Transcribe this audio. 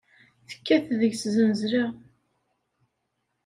Tekkat deg-s zznezla.